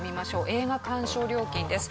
映画鑑賞料金です。